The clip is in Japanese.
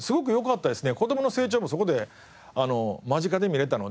子どもの成長もそこで間近で見れたので。